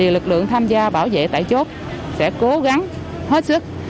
lực lượng tham gia bảo vệ tại chốt sẽ cố gắng hết sức